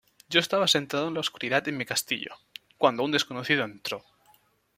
Yo estaba sentado en la oscuridad en mi castillo, cuando un desconocido entró.